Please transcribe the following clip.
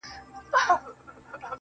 • د ښکلو رب ته مي سجده په ميکده کي وکړه